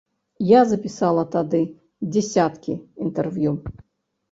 Я запісала тады дзясяткі інтэрв'ю.